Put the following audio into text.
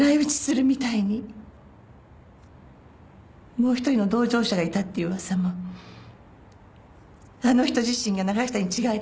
もう１人の同乗者がいたっていう噂もあの人自身が流したに違いありません。